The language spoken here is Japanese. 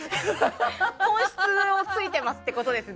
本質をついていますってことです。